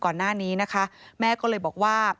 ก่อนหน้านี้นะคะแม่ก็เลยบอกว่า